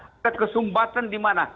ada kesumbatan di mana